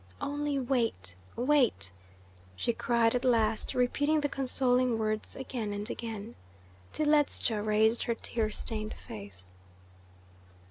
"Only wait, wait," she cried at last, repeating the consoling words again and again, till Ledscha raised her tear stained face.